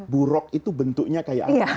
burok itu bentuknya kayak apa